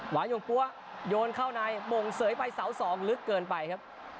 วายงปั้วโยนเข้าในหม่งเสยไปเสา๒ลึกเกินไปครับ